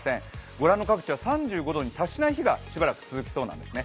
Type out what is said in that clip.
ご覧の各地は３５度に達しない日がしばらく続きそうなんですね。